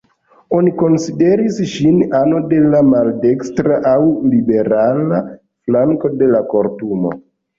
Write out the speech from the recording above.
Oni konsideris ŝin ano de la "maldekstra" aŭ "liberala" flanko de la Kortumo.